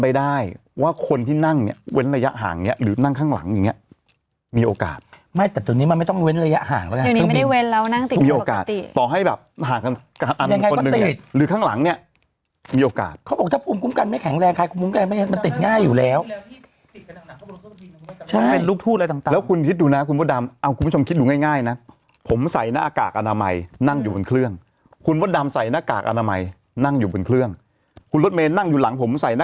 มอให้แบบหากันอันคนหนึ่งเนี่ยหรือข้างหลังเนี่ยมีโอกาสเขาบอกถ้าคุมกุ้มกันไม่แข็งแรงใครคุมกุ้มกันไม่มันติดง่ายอยู่แล้วใช่แล้วคุณคิดดูนะคุณพ่อดำเอาคุณผู้ชมคิดดูง่ายง่ายนะผมใส่หน้ากากอนามัยนั่งอยู่บนเครื่องคุณพ่อดำใส่หน้ากากอนามัยนั่งอยู่บนเครื่องคุณรถเมนนั่งอยู่หลังผมใส่หน้